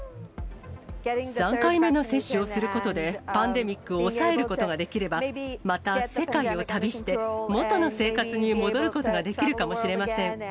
３回目の接種をすることで、パンデミックを抑えることができれば、また世界を旅して、元の生活に戻ることができるかもしれません。